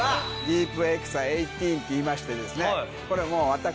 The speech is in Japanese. ディープエクサ１８っていいましてですね